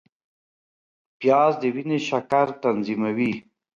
پیاز د وینې شکر تنظیموي